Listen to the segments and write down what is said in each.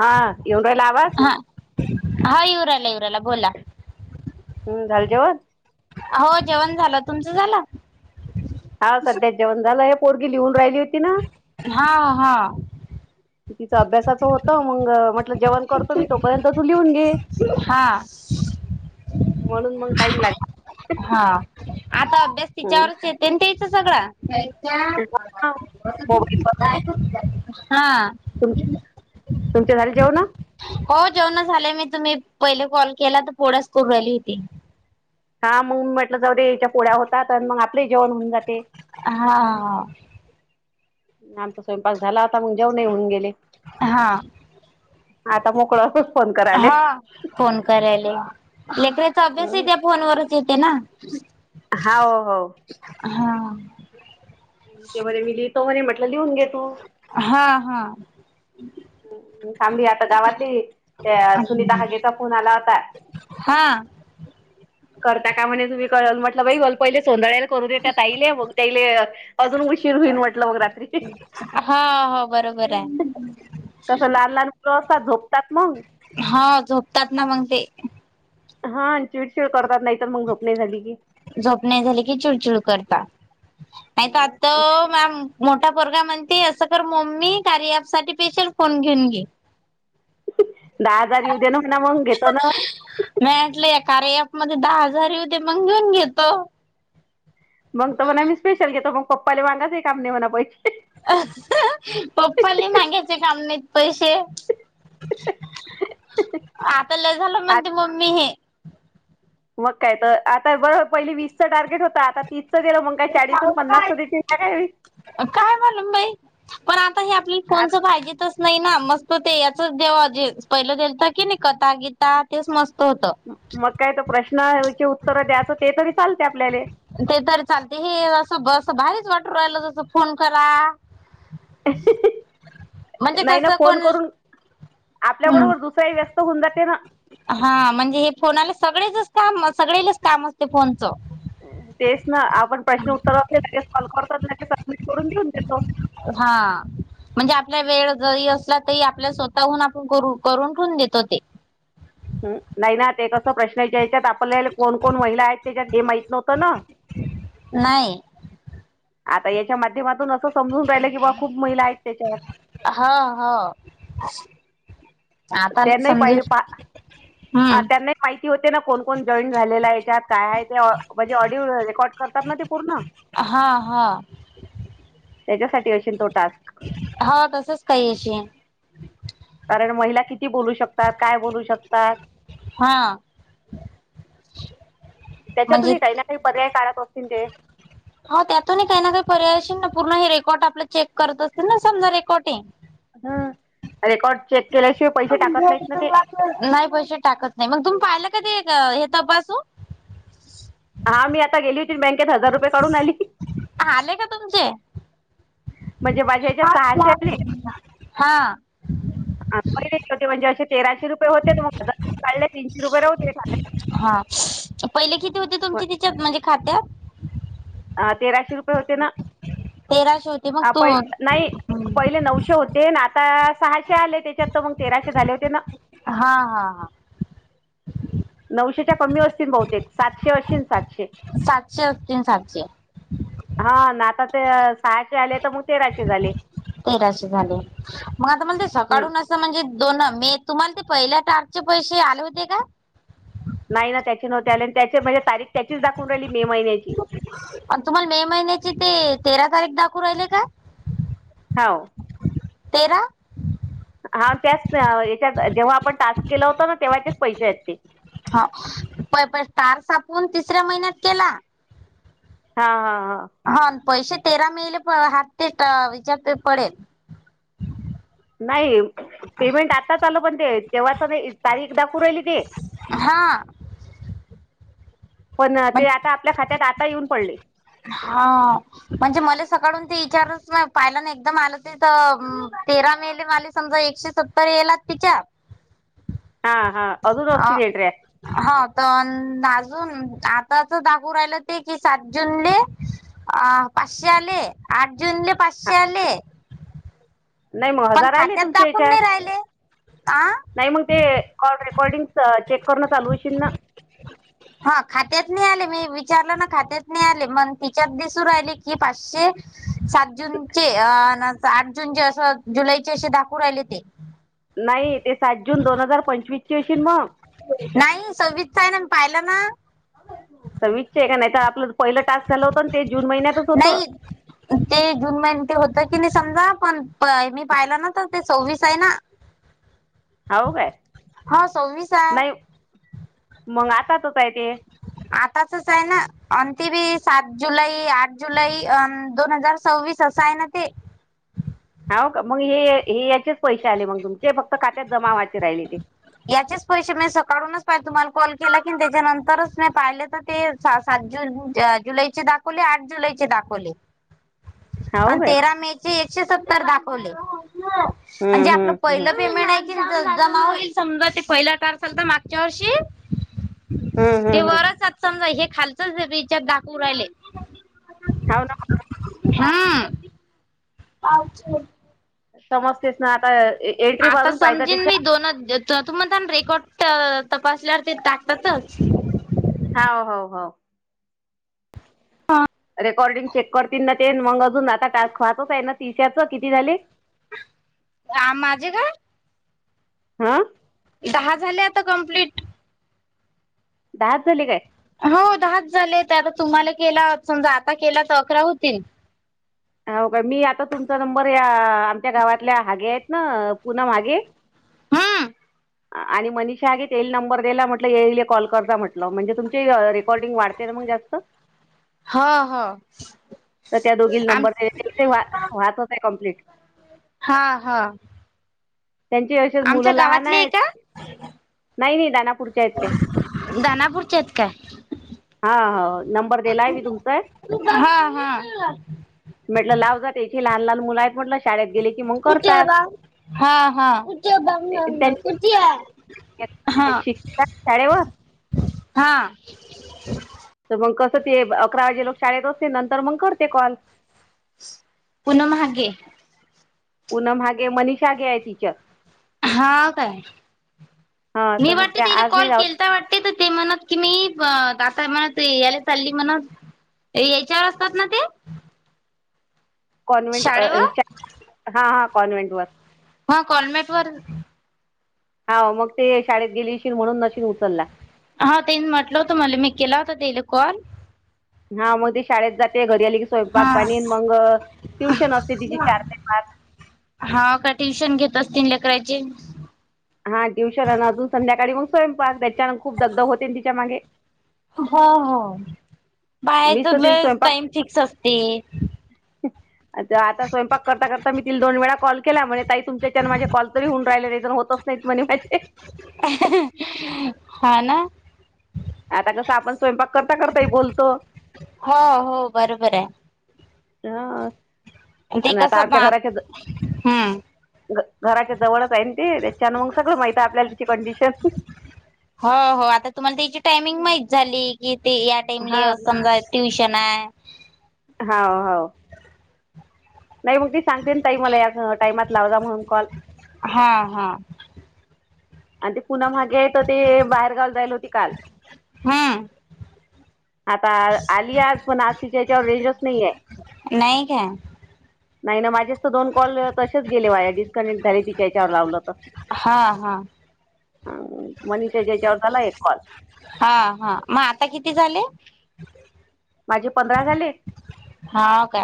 हा येऊन राहिला आवाज. हा हा येऊ राहिला येऊ राहिला बोला. हम्म झाल जेवण. हो जेवण झालं तुमचं झालं. हाव सध्या जेव झालंय पोरगी लिहून राहिली होती ना. हा हा हा. तिचं अभ्यासाचं होत मग म्ह टल जेवण करतो मी तोपर्यंत तू लिहून घे हा म्हणून मग टाईम लागला. हा आता अभ्यास तिच्यावरच येते त्यायच सगळा. मोबाईल हा. तुमचे तुमचे झाले जेवण. हो जेवण झालंय मी तुम्ही पहिले कॉल केला तर पोड्याच करू राहिली होती. हा मग म्हटलं जाऊ दे हिच्या पोड्या होतात अन मग आपले ही जेवण होऊन जाते. हा. आमचा स्वयंपाक झाला आता मग जेवनही होऊन गेले. हा आता मोकळ असच फोन कराले. हा फोन करायला लेकरा चा अभ्यासही त्या फोन वरच येते ना. हो हो. हा. तो म्हणे म्हटलं लिहून घे तू हा हा. थांबली आता गावातली त्या सुनीता हागेचा फोन आला होता. हा. करता का म्हणे तुम्ही कळल म्हटलं बाई पहिले सोधा्याय. करू दे त्या तईले मग त्याईले अजून उशीर होईन म्हटलं मग रात्री हो हो बरोबर आहे. कसं लहान लहान मूल असतात झोपतात मग हा झोपतात ना मग ते हा आणि चिडचीड करतात नाही तर मग झोप नाही झाली की झोप नाही झाली की चिडचिड करता. नाही आता मोठा पोरगा म्हणते असं कर मम्मी कार्य अँप साठी पेशल फण घेन गी दहा हजार येऊद्या ना म्हणा मग घेतो ना. मेटलं या कारेयापमध्येध्ये दहा हजार ते मग घेऊन घेतो. मग तर मणा आम् स्पेशल घेतो मग पप्पाला माांाच हे काम नाही म्हणाहिजे. पप्पाला मागायचे काम नाहीत पैसे. आता ल झालं म्हणते मम्मी हे. मग काय तर आता बरंर पहिली वीसचं टार्गेट होता आता तीसचं गेलं मग काय चाळीस आणि पन्नासचं दे काय. काय म्हलम बाई पण आता हे आपली फोनच पाहिजे तरच नाही ना मस्त त ते याचच देव जे पहिलं दिलत की नाही कथा गीता तेच मस्त होत. मग काय तर प्रश्नाचे उत्तर द्यायचं ते तरी चालते आपल्याला ते तर चालते हे असं बस बाारीच वाटर राहिलं जस फोन करा. म्हणजे कस कोण? आपल्याबरोबर दुसराही व्यस्त होऊन जाते ना. हा म्हणजे हे फोनाला सगळेचच काम सगळेच काम असते फोनचं. तेच ना आपण प्रश्न उत्तरगे कॉल करतातगे सबमिट करून देऊन देतो. हा. म्हणजे आपला वेळ जरी असला तरी आपल्या स्वतःहून आपण कर करून ठेवून देतो ते नाही ना ते कस प्रश्न याच्या यायच्यात आपल्याला कोण कोण महिला आहेत त्याच्यात गेमहीत नव्हत ना. नाही आता याच्या माध्यमातून असं समजून राहिलं कि बा खूप महिला आहेत त्याच्यात हा हा. आता त्यांनाही समजू पाहिजे पा हा हम्म. त्यांनाही माहिती होते ना कोण? कोण जॉईन झालेला याच्यात काय आहे ते म्हणजे ऑडिओ रेकॉर्ड करतात ना ते पूर्ण हां हां. त्याच्यासाठी असेल तो टास्क हा तसच काही अशी आहे. कारण महिला किती बोलू शकतात काय बोलू शकतात. हा म्हणजे त्याच्यातूनही काही ना काही पर्याय काढत असतील ते हो त्यातूनही काही ना काही पर्यायशील ना पूर्ण हे रेकॉर्ड आपले चेक करत असतील ना समजा रेकॉर्टिंग ह रेकॉर्ड चेक केल्याशिवाय पैसे टाकत नाहीत ना ते नाही पैसे टाकत नाही मग तुम्ही पाहिला कधी हे तपासून. हा मी आता गेली होती बँकेत हजार रुपये काढून आली आले का तुमचे. म्हणजे माझ्या याच्यात अ सहाशे आले हा. हहि होते म्हणजे असे तेराशे रुपये होतेज काढले तीनशे रुपये राहते. हा पहिले किती होते होय. तुमची तिच्यात म्हणजे खात्यात अ तेराशे रुपये होते ना तेराशे होते मग तू प हा नाही पहिले नऊशे होते. ते ना आता सहाशे आले त्याच्यात तर मग तेराशे झाले होते ना. हा हा हा. नऊशेच्या कमी असतील बहुतेक सातशे असश सातशे असतील सातशे हा ना आता ते सहाशे आले तर मग तेराशे झाले तेराशी झाले मग आता म्हण ते हं. सकाळून म्हणजे दोन मे तुम्हाला ते पहिल्या टारचे पैसे आले होते का? नाही ना त्याचे नव्हते आले आणि त्याचे म्हणजे तारीख त्याचीच दाखवून राहिली मे महिन्याची. प तुम्हाला मे महिन्याची ते तेरा तारीख दाखवू राहिल का? हो. तेरा हा त्याच याच्यात जेव्हा आपण टास्क केला होत ना तेव्हाचेच पैसे येत ते हो प प स्टार सापून तिसऱ्या महिन्यात केला. हा हा हा. हा पैसे तेरा मेले प हात ते विच्याार पडेल. नाही पेमेंट आताच आलं पण ते तेव्हाच नाही. तारी एकदा करहिली ते हा पण म्हण ते आता आपल्या खात्यात आता येऊन पडले. हा. म्हणजे मला सकाळून ते विचारच पाहिला एकदम आलं ते तर तेरा मेले मला समजा एकशे सत्तर येलात तिच्या हा हा अज अ दोसतनले. हा प अजून आताच दागू राहिलं ते कि सा जुूनले अ पाचशे आले आठ जुूनले हा पाचशे आले. नाही मग पण हजार आलेय खात्यात तुमच्या दाखवून याच्यात. नाही राहिले आ नाही मग ते कॉल रेकॉर्डिंग चेक करणं चालूशील ना. हा खात्यात नाही आले मी विचारलं ना खात्यात नाही आले मग तिच्यादी सुरू राहिली की पाचशे सात जूनचे अ आठ जूनचे असं जुलैचे असे दाखव राहिले ते. नाही ते सात जून दोन हजार पंचवीस चे असश मग. नाही सबत आहे ना पाहिला ना. विचच आहे का नाही तर आपलं पहिलं टास्क झालं होतं ना ते जून महिन्यातच होतं. नाही ते जून महिने ते होत की नाही समजा पण मी पाहिलं ना तर ते सव्वीस आहे ना. [unintelligible] होव काय हो सव्वीस आहे नाही मग आताातच आहे ते. आताचच आहे ना अ त बी सात जुलै आठ जुलै दोन हजार सव्वीस अस सायन ते. हा मग हे याचेच पैसे आले मग तुमचे फक्त खात्यात जमावा्हाचे राहिले ते याचेच पैसे मी सकाळूनच पाहिले तुम्हाला कॉल केला की त्याच्यानंतरच मी पाहिले तर ते सात जुून जुलैचे दाखवले आठ जुलैचे दाखवले. [unintelligible] हाव आणि काय तेरा मे चे एकशे सत्तर दाखवले. हम्म म्हजे आपलं हम्म हम्म पहिलं पेमेंट आहे कि जमा होईल. समजा ते पहिला टार चालता मागच्या वर्षी हम्म ते हम्म हम्म. वरचात समजा हे खालचच विचत दाखवू राहिले हो ना हा पाछ समस्तेच ना आता एंट्री आता मारून पाहिजे समजेन मी त्याच्या दोन तुण त्या रेकॉर्ड तपासल्यावर ते टाकतातच ह हो हो हा रेकॉर्डिंग चेक करतील ना ते मग अजून आता टास्क वाहतोच आहे ना तिश्याचं किती झाले [unintelligible] आ माझे घ हा दहा झाले आता कमप्लीट दहाच झाली काय हो दहाच झाले ते आता तुम्हाला केला समजा आता केला तर अकरा होतील हो का मी आता तुमचा नंबर या आमच्या गावातल्या हागे आहेत ना पनम हागे हम्म. आणि मनीषा आहेग ते येईल नंबर दला म्हटलं येले कॉल करता म्हटलं म्हणजे तुमची रेकॉर्डिंग वाढते मग जास्त हा हा तर त्या दोघी नंबरथ वाहचत आहे कम्प्लीट हा हा त्यांची अशच मुलं आमच्या लहान गावातले आहे आहेत का? नाही नाही दानापुरच्या आहेत ते दनापूरच्या आहेत काय हा हा नंबर दिलाय मी तुमचाय काय? हा हा. म्हटलं लाव जात त्याची लहान लहान मुलं आहेत म्हटलं शाळेत गेले की मग कुट करतात ब ह कुट कुट शिक शाळेवर हा तर मग कसं ते अकरा वाजे लोक शाळेत असते नंतर मग करते कॉल पुनमहाे पनम हे मनीषा गे आहे टीचर हा काय हा नाही तर मग वाटते त्या तिला आज कॉल नाही लावत केलता वाट ते म्हणत कि मी आता म्हणत यायला चालली म्हणत याच्यावर असतात ना ते कॉन्व्हेंट शाळेवर हा हा कॉन्व्हेंट व ह कोॉलमेट वर हा मग ते शाळेत गेलीशील म्हणून नशन उचलला हा ते म्हटलं होतं मला मी केला होता तेले कॉल हा मग ते शाळेत जाते घरी आले की स्वयंपाक हा. पाणी मग ट्युशन असते तिची चार ते पाच हा का ट्युशन घेत असतील लेकराची हा ट्युशन अजून संध्याकाळी मग स्वयंपाक त्याच्यान खूप दगध होते तिच्या मागे हो हो मीच तर तिला बाहेच टाइम फिक्स असते अच्छा आता स्वयंपाक करता करता मीितील दोन वेळा कॉल केला म्हणे ताई तुम माझे कॉल तरी होऊ राहिलेण होतच नाहीत म्हणे माझे हा ना आता कसं आपण स्वयंपाक करता करता ये बोलतो हो हो बरोबर आहे हा ते आता कसं आपच्या मात घरा हम्म. घराच्या जवळच आहे ते त्याच्यान मग सगळं माहित आहे आपल्याला तिची कंडिशन हो हो आता तुम्हाला त्याची टायमिंग माहित झाली की ते टाईम हा [unintelligible] समजा ट्युशन हाय. हा. हो. नाही मग ती सांगते ना ताई मला या टाइमात लावग म्हणून कॉल. हा. हा. आणि ते पुन्हा मागे तर ते बाहेर गाल जायल होती काल. हम्म आता आलीया आज पण आज तिच्या याच्यावर [unintelligible] नाहीयाय. नाही [unintelligible] नाही ना. माझेच तर दोन कॉल तसेच गेले वाया. डिस्कनेक्ट झाले तिच्या हेच्यावर लावलं तर. हा. हा. मनषाच्या हेच्यावर झाला एक कॉल. हा. हा. मग आता किती झाले? माझे पंधरा झाले. हा का.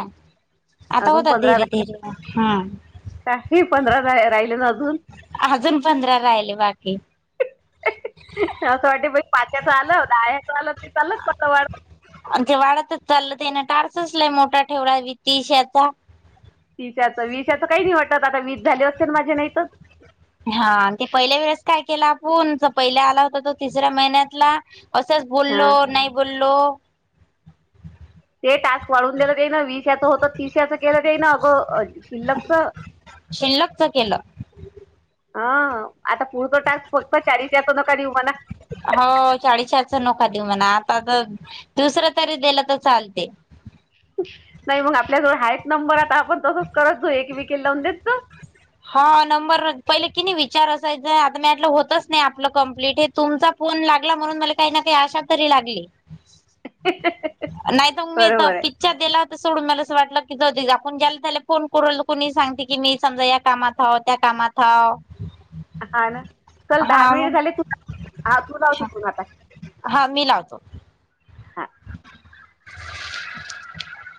आता अजून होता पंधरा धीरे राहिले धीरे. हम्म. काही पंधरा राहिले ना अजून अजून पंधरा राहिले बाकी. असं वाटते पाच्याचं आलं. दाह्याचं आलं. ते चालच [unintelligible] आणि ते वाढतच चाललं. तेनी टारर्सच लई मोठा ठेवला वितीशाचा. तीशाचं विशाचं काही नाही वाटत आता [unintelligible] माझे नाहीतर. हा. ते पहिल्या वेळेस काय केलं आपुण? जो पहिला आला होता तो तिसऱ्या महिन्यातला. असंच हा. बोलो. नाही बोलो. ते टास्क वाढून दिलं जाई ना. विसचं होतं तीस्याचं केलं जाई ना अगं. शिल्लकच शिल्लकच केलं हा. आता पुढच टास्क फक्त चारीच्याच नका देऊ म्हणा. हो. चाळीसशा नको देऊ म्हणा. आता तर दुसरं तरी दिलं तर चालते. नाही मग आपल्याजवळ हायत नंबर आता आपण तसच करत जाऊ. एकीमेकिला लावून देत जाऊ. हा नंबर पहिले कि नाही विचार असायच. आपापलं होतच नाही आपलं कंप्लीट हे तुमचा फोन लागला म्हणून मला काही ना काही अशा तरी लागली. [unintelligible] नाही तग मी बरोबर आहे [unintelligible] दिला होता सोडून मला असं वाटलं की जावू दे आपण ज्याला त्याला फोन करून कोणी सांगते की मी समजा या - - कामात हाव. त्या कामात हाव. हा ना. चल दहा हा मिनिट झाले. [inaudible] हा. तू लाव तिकडुन आता. हा. मी लावतो. हा. [inaudible]